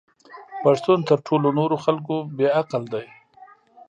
پښتون تر ټولو نورو خلکو بې عقل دی!